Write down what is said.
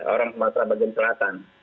orang pemasra bagian selatan